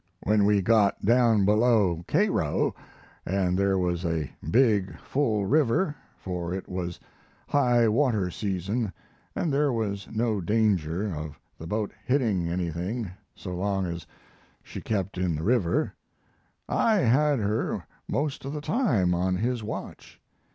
When we got down below Cairo, and there was a big, full river for it was highwater season and there was no danger of the boat hitting anything so long as she kept in the river I had her most of the time on his watch.